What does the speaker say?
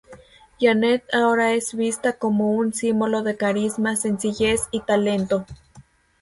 Janet ahora es vista como un símbolo de carisma, sencillez y talento.